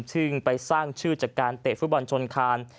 ซึ่งไปสร้างชื่อจากการเตะฟุตบอลชนคาน